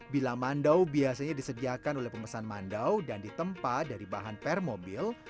bila mandau biasanya disediakan oleh pemesan mandau dan ditempa dari bahan per mobil